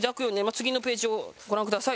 次のページをご覧ください。